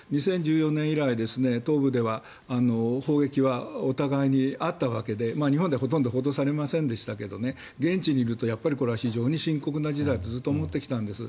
２０１４年以来、東部では砲撃はお互いにあったわけで日本ではほとんど報道されませんでしたけど現地にいるとやっぱりこれは非常に深刻な事態だとずっと思ってたんです。